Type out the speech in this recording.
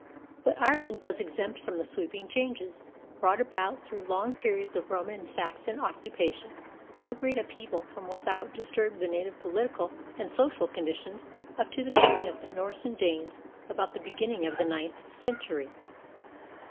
But Ireland was exempt from the sweeping changes brought about through long periods of Roman and Saxon occupation; no great upheaval from without disturbed the native political and social conditions up to the coming of the Norse and Danes about the beginning of the ninth century.